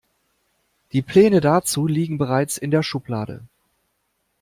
Die Pläne dazu liegen bereits in der Schublade.